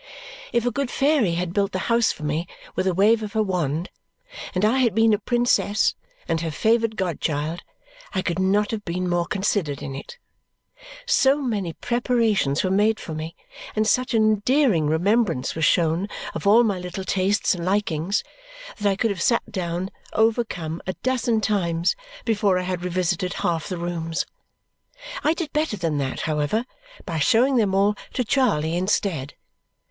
If a good fairy had built the house for me with a wave of her wand, and I had been a princess and her favoured god child, I could not have been more considered in it. So many preparations were made for me and such an endearing remembrance was shown of all my little tastes and likings that I could have sat down, overcome, a dozen times before I had revisited half the rooms. I did better than that, however, by showing them all to Charley instead.